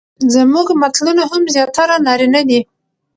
زموږ متلونه هم زياتره نارينه دي،